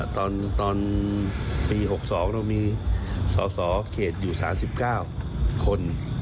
ตอนปี๖๒เรามีสอสอเขตอยู่๓๙คน